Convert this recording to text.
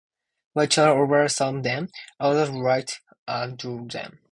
While Truman oversaw them, others wrote and drew them.